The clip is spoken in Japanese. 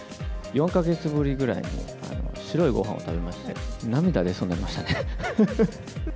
４か月ぶりぐらいに、白いごはんを食べまして、涙出そうになりましたね。